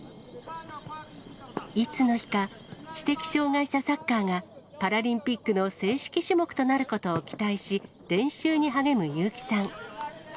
いつの日か知的障がい者サッカーが、パラリンピックの正式種目となることを期待し、練習に励む結城さん。